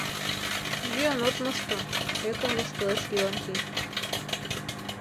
— Йӱын от мошто, — ӧкым воштылеш Леонтий.